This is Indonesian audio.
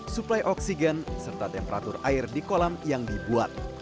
suplai oksigen serta temperatur air di kolam yang dibuat